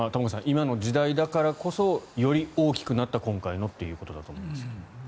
今の時代だからこそより大きくなった今回のということだと思いますが。